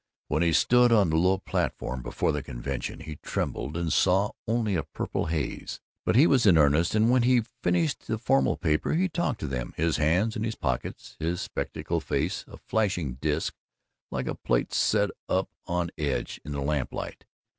When he stood on the low platform before the convention, he trembled and saw only a purple haze. But he was in earnest, and when he had finished the formal paper he talked to them, his hands in his pockets, his spectacled face a flashing disk, like a plate set up on edge in the lamplight.